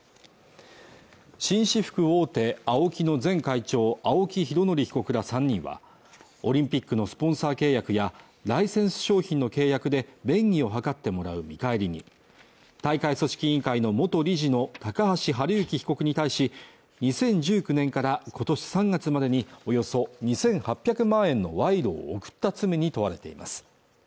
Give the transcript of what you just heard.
紳士服大手ＡＯＫＩの前会長青木拡憲被告ら３人はオリンピックのスポンサー契約やライセンス商品の契約で便宜を図ってもらう見返りに大会組織委員会の元理事の高橋治之被告に対し２０１９年から今年３月までにおよそ２８００万円の賄賂を贈った罪に問われています